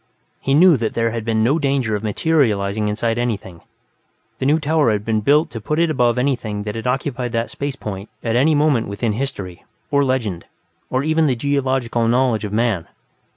He knew that there had been no danger of materializing inside anything; the New Tower had been built to put it above anything that had occupied that space point at any moment within history, or legend, or even the geological knowledge of man.